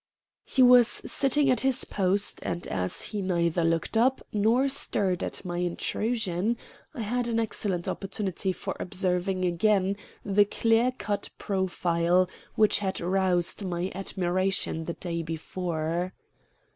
He was sitting at his post, and as he neither looked up nor stirred at my intrusion, I had an excellent opportunity for observing again the clear cut profile which had roused my admiration the day before.